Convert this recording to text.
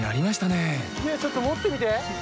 ねぇちょっと持ってみて。